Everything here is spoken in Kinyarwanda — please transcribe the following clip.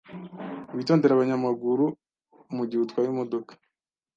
Witondere abanyamaguru mugihe utwaye imodoka.